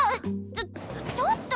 ちょちょっと！